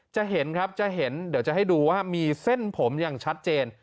จะเห็นครับจะเห็นเดี๋ยวจะให้ดูว่ามีเส้นผมอย่างชัดเจน